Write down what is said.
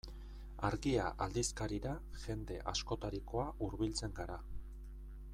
Argia aldizkarira jende askotarikoa hurbiltzen gara.